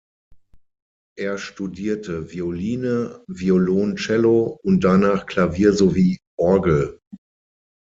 Er studierte Violine, Violoncello und danach Klavier sowie Orgel.